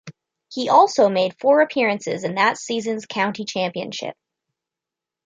He also made four appearances in that seasons County Championship.